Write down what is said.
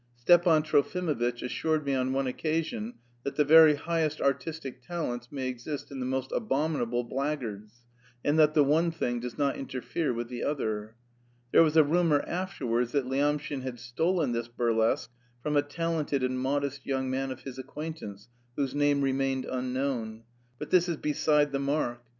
Stepan Trofimovitch assured me on one occasion that the very highest artistic talents may exist in the most abominable blackguards, and that the one thing does not interfere with the other. There was a rumour afterwards that Lyamshin had stolen this burlesque from a talented and modest young man of his acquaintance, whose name remained unknown. But this is beside the mark.